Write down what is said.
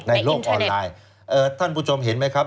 ในโลกออนไลน์ท่านผู้ชมเห็นไหมครับ